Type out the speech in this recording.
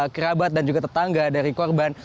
kerabat dan juga tetangga dari korban